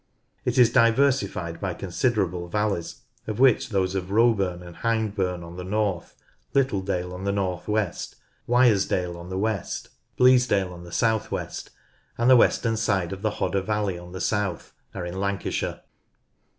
It is diversified by considerable valleys, of which those of Roeburn and Hindburn on the north, Littledale on the north west, Wyresdale on the west, Bleasdale on the south west, and the western side of the Hodder valley on the south are in Lancashire.